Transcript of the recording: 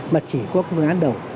mà chỉ qua phương án đầu